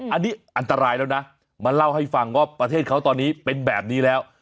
อันนี้อันตรายแล้วนะมาเล่าให้ฟังว่าประเทศเขาตอนนี้เป็นแบบนี้แล้ว